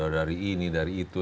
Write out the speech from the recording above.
dari ini dari itu